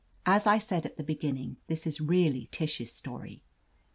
As I said at the beginning, this is really Tish's story.